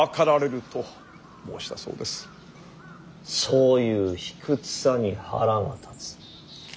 そういう卑屈さに腹が立つ。